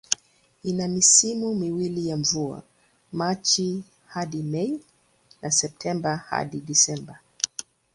Ina misimu miwili ya mvua, Machi hadi Mei na Septemba hadi Disemba.